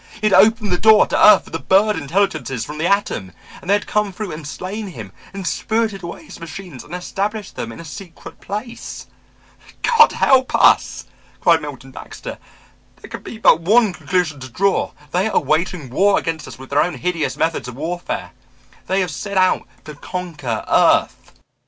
He had opened the door to earth for the bird intelligences from the atom and they had come through and slain him and spirited away his machines and established them in a secret place! "God help us," cried Milton Baxter, "there can be but one conclusion to draw. They are waging war against us with their own hideous methods of warfare; they have set out to conquer earth!"